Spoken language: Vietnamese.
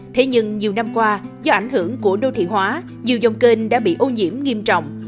thế nhưng nhiều năm qua do ảnh hưởng của đô thị hóa nhiều dòng kênh đã bị ô nhiễm nghiêm trọng